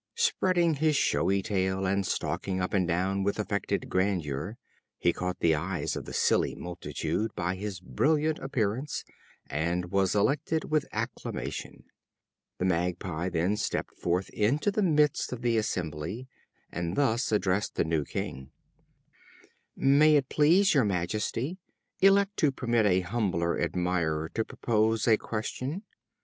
Spreading his showy tail, and stalking up and down with affected grandeur, he caught the eyes of the silly multitude by his brilliant appearance, and was elected with acclamation. The Magpie then stepped forth into the midst of the assembly, and thus addressed the new king: "May it please your majesty, elect to permit a humble admirer to propose a question.